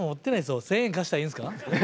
１，０００円貸したらいいんですか？